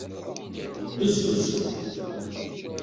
Ggezgez.